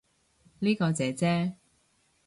呢個姐姐